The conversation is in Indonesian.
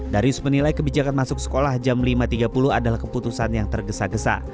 darius menilai kebijakan masuk sekolah jam lima tiga puluh adalah keputusan yang tergesa gesa